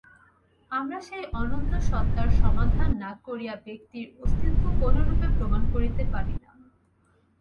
আমরা সেই অনন্ত সত্তার সমাধান না করিয়া ব্যক্তির অস্তিত্ব কোনরূপে প্রমাণ করিতে পারি না।